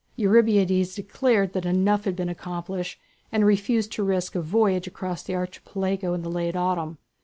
Eurybiades declared that enough had been accomplished, and refused to risk a voyage across the Archipelago in the late autumn.